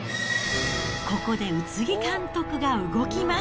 ここで宇津木監督が動きます。